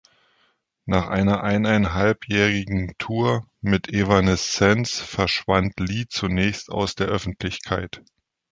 Nach einer eineinhalbjährigen Tour mit Evanescence verschwand Lee zunächst aus der Öffentlichkeit.